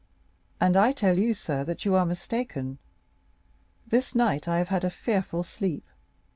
"And I tell you, sir, that you are mistaken. This night I have had a fearful sleep.